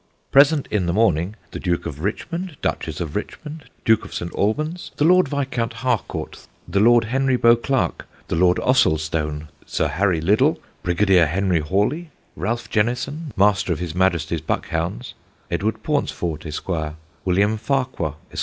PRESENT IN THE MORNING: The Duke of Richmond, Duchess of Richmond, Duke of St Alban's, the Lord Viscount Harcourt, the Lord Henry Beauclerk, the Lord Ossulstone, Sir Harry Liddell, Brigadier Henry Hawley, Ralph Jennison, master of His Majesty's Buck Hounds, Edward Pauncefort, Esq., William Farquhar, Esq.